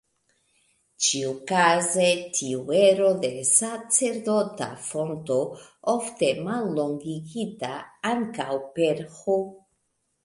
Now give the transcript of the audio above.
Ĉiukaze, tiu ero de sacerdota fonto, ofte mallongigita ankaŭ per "H".